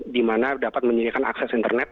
di mana dapat menyediakan akses internet